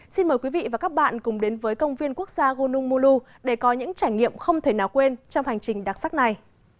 xin mời quý vị và các bạn cùng đến với công viên quốc gia gonung mou để có những trải nghiệm không thể nào quên trong hành trình đặc sắc này